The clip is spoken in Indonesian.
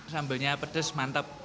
sambelnya pedas mantap